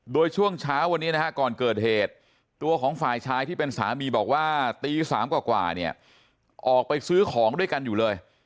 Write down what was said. โดยช่วงเช้าวันนี้นะฮะก่อนเกิดเหตุตัวของฝ่ายชายที่เป็นสามีบอกว่าตี๓กว่าเนี่ยออกไปซื้อของด้วยกันอยู่เลย